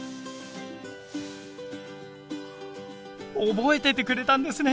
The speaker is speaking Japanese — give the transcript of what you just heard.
覚えててくれたんですね。